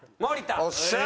よっしゃ！